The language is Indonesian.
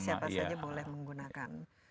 siapa saja boleh menggunakan